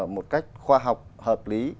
một cách khoa học hợp lý